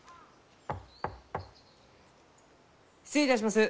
失礼いたします。